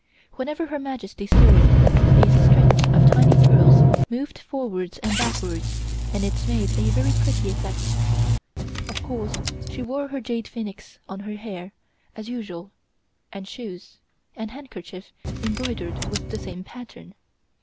Whenever Her Majesty stirred, these strings of tiny pearls moved forwards and backwards and it made a very pretty effect. Of course, she wore her jade phoenix on her hair as usual and shoes and handkerchief embroidered with the same pattern.